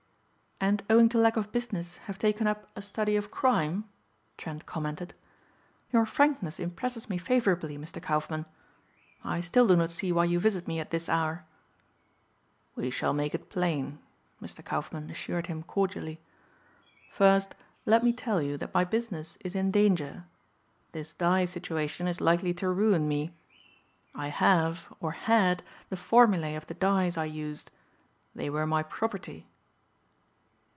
"And owing to lack of business have taken up a study of crime?" Trent commented. "Your frankness impresses me favorably, Mr. Kaufmann. I still do not see why you visit me at this hour." "We shall make it plain," Mr. Kaufmann assured him cordially. "First let me tell you that my business is in danger. This dye situation is likely to ruin me. I have, or had, the formulae of the dyes I used. They were my property."